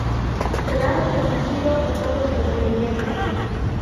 Serás conocido por todos los creyentes.